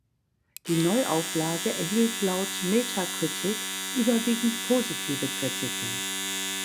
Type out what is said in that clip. Die Neuauflage erhielt laut Metacritic überwiegend positive Kritiken.